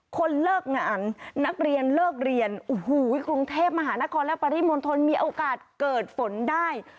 คนเลิกงานนักเรียนเลิกเรียนโอ้โหกรุงเทพมหานครและปริมณฑลมีโอกาสเกิดฝนได้